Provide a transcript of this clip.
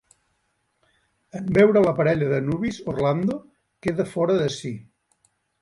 En veure la parella de nuvis Orlando queda fora de si.